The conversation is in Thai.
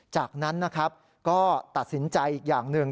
จากนั้นนะครับก็ตัดสินใจอีกอย่างหนึ่ง